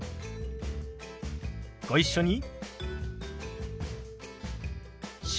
ご一緒に。